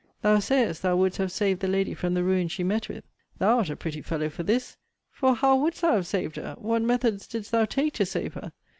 Thou sayest, thou wouldst have saved the lady from the ruin she met with. Thou art a pretty fellow for this: For how wouldst thou have saved her? What methods didst thou take to save her?